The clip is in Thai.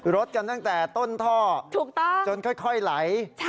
รดกันตั้งแต่ต้นท่อจนค่อยไหล